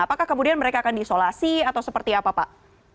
apakah kemudian mereka akan diisolasi atau seperti apa pak